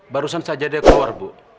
barusan saja dia keluar bu